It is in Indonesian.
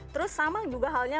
terus sama juga halnya